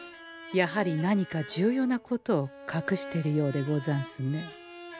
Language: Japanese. やはり何か重要なことをかくしてるようでござんすね。